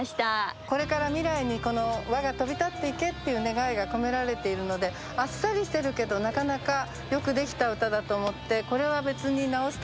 これから未来にこの輪が飛び立っていけっていう願いが込められているのであっさりしてるけどなかなかよくできた歌だと思ってこれは別に直すところはないです。